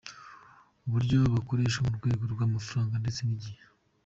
buryo bukoreshwa mu rwego rw’amafaranga ndetse n’igihe.